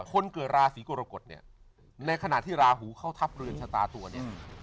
คนเกิดราศีกรกฎเนี่ยในขณะที่ราหูเข้าทัพเรือนชะตาตัวเนี่ย